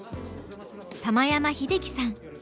玉山英樹さん。